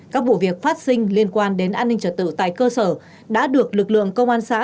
các vụ việc phát sinh liên quan đến an ninh trật tự tại cơ sở đã được lực lượng công an xã